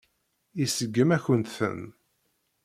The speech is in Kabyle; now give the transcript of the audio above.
Iseggem-akent-ten.